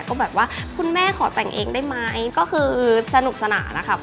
ก็แบบว่าคุณแม่ขอแต่งเองได้ไหมก็คือสนุกสนานนะคะ